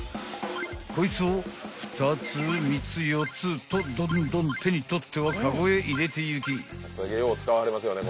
［こいつを２つ３つ４つとどんどん手に取ってはカゴへ入れていき］